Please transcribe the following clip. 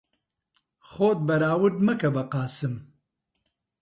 خۆت بەراورد مەکە بە قاسم.